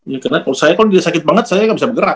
ya karena kalau saya kok dia sakit banget saya gak bisa bergerak